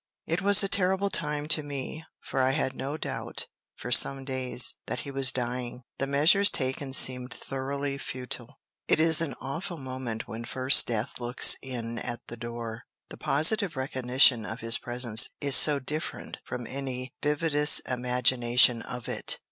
It was a terrible time to me; for I had no doubt, for some days, that he was dying. The measures taken seemed thoroughly futile. It is an awful moment when first Death looks in at the door. The positive recognition of his presence is so different from any vividest imagination of it!